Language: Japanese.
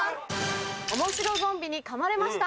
「おもしろゾンビに噛まれました